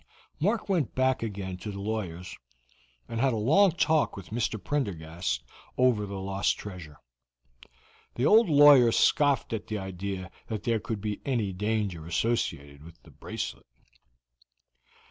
Mark went back again to the lawyer's, and had a long talk with Mr. Prendergast over the lost treasure. The old lawyer scoffed at the idea that there could be any danger associated with the bracelet.